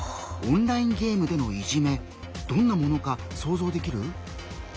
オンラインゲームでのいじめどんなものか想像できる？